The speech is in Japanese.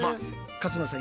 勝村さん